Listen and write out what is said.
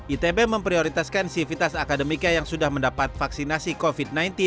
itb memprioritaskan sivitas akademika yang sudah mendapat vaksinasi covid sembilan belas